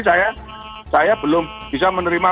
saya saya belum bisa menerima